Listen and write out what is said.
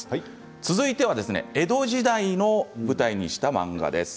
続いては江戸時代を舞台にした漫画です。